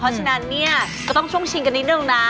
เพราะฉะนั้นเนี่ยก็ต้องช่วงชิงกันนิดนึงนะ